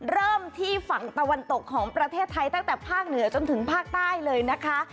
เริ่มที่ฝั่งตะวันตกของประเทศไทยตั้งแต่ภาคเหนือจนถึงภาคใต้เลยนะคะ